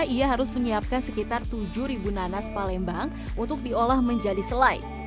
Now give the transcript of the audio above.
ia harus menyiapkan sekitar tujuh nanas palembang untuk diolah menjadi selai